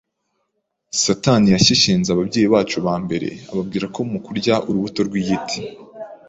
Satani yashyeshyenze ababyeyi bacu ba mbere ababwira ko mu kurya urubuto rw’igiti